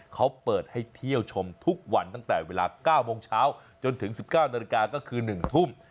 เขาเปิดให้เที่ยวชมทุกวันตั้งแต่เวลา๙โมงเช้าจนถึง๑๙นาฬิกาก็คือ๑ทุ่ม